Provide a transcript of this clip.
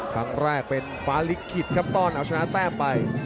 ครั้งแรกเป็นฟ้าลิขิตครับต้อนเอาชนะแต้มไป